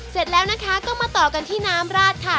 เสร็จแล้วนะคะก็มาต่อกันที่น้ำราดค่ะ